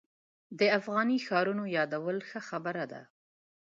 د افغاني ښارونو یادول ښه خبره ده.